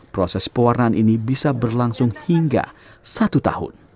proses pewarnaan ini bisa berlangsung hingga satu tahun